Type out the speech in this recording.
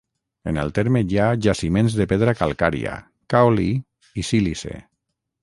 En el terme hi ha jaciments de pedra calcària, caolí i sílice.